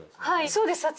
はいそうです。